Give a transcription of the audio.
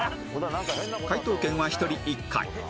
解答権は１人１回